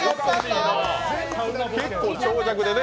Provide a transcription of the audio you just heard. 結構、長尺でね。